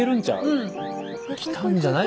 うん。きたんじゃない？